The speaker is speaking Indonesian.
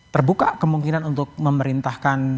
terbuka kemungkinan untuk memerintahkan